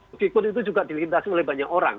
begitu itu juga dilintasi oleh banyak orang